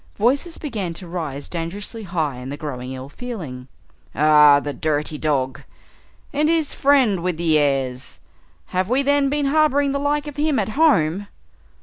Voices began to rise dangerously high in the growing ill feeling. "Ah the dirty dog " "And his friend with the airs!" "Have we then been harboring the like of him at home?"